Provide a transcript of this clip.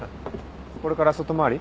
これから外回り？